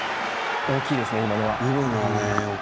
大きいですね、今のは。